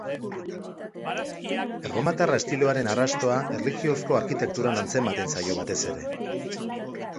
Erromatar estiloaren arrastoa erlijiozko arkitekturan antzematen zaio batez ere.